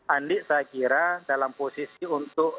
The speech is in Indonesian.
andi saya kira dalam posisi untuk